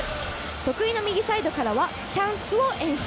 得意の右サイドからチャンスを演出。